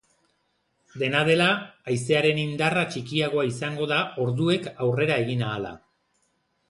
Dena dela, haizearen indarra txikiagoa izango da orduek aurrera egin ahala.